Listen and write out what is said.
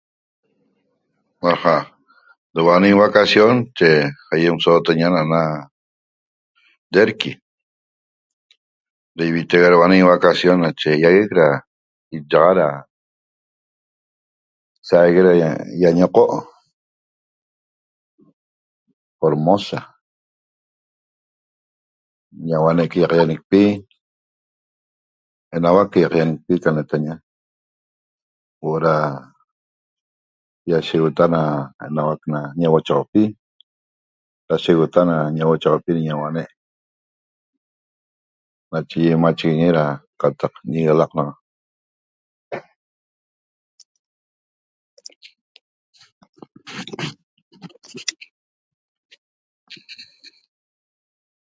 'Aja' da huo'o na ñivacacion nache aýem sootaña na'ana Derqui da ivitega da huo'o na ñivacacion nache ýaguec da ýiyaxa da saigue da ýañoqo' Formosa ñauane' ca ýaqaýañicpi enauac ca ýaqaýañicpi ca netaña huo'o da iashegota da enauac na ñauochaxauapi iashegota na ñauochaxauapi da ñauane' nache aýem machiguiñi da qataq ñi'iguelaq naxa